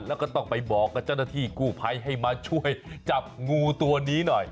แล้วก็ต้องไปบอกกับเจ้าหน้าที่กู้ภัยให้มาช่วยจับงูตัวนี้หน่อย